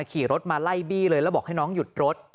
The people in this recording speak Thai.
ขี่รถมาไล่บี้เลยแล้วบอกให้น้องหยุดรถ